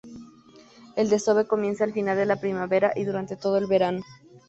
El desove comienza al final de la primavera y dura todo el verano.